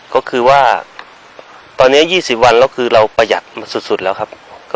ก็คือว่าตอนนี้๒๐วันแล้วคือเราประหยัดมาสุดแล้วครับ